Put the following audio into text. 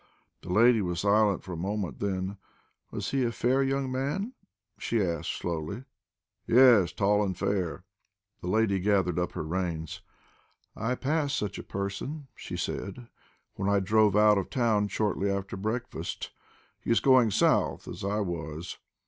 The lady was silent a moment, then "Was he a fair young man?" she asked, slowly. "Yes, tall and fair." The lady gathered up her reins. "I passed such a person," she said, "when I drove out of town shortly after breakfast. He was going south, as I was.